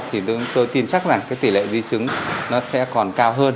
thì tôi tin chắc rằng cái tỷ lệ vi chứng nó sẽ còn cao hơn